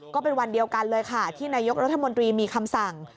ก็เป็นวันเดียวกันเลยค่ะที่นายกรัฐมนตรีมีคำสั่ง